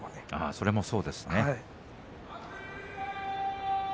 それも、そうですね。